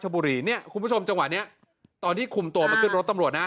จังหวัดราชบุรีเนี้ยคุณผู้ชมจังหวัดเนี้ยตอนที่ขุมตัวมาขึ้นรถตำรวจนะ